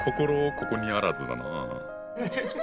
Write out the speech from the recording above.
ここにあらずだなぁ。